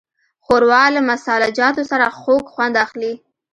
ښوروا له مسالهجاتو سره خوږ خوند اخلي.